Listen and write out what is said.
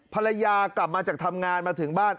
ภรรยากลับมาจากทำงานมาถึงบ้าน